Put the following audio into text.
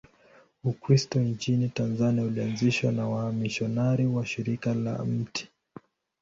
Ukristo nchini Tanzania ulianzishwa na wamisionari wa Shirika la Mt.